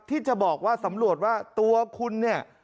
ที่จะบอกว่าสำรวจว่าตัวคุณเนี่ย